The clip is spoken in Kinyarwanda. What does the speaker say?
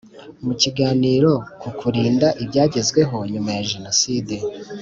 Mu kiganiro ku Kurinda ibyagezweho nyuma ya Jenoside